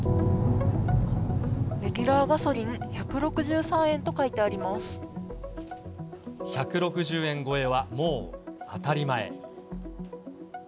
レギュラーガソリン１６３円１６０円超えはもう当たり前。